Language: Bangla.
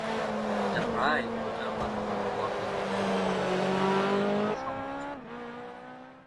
এটা প্রায়ই প্রচার মাধ্যম করদাতাদের অর্থের অপচয় বলে সমালোচনা করে।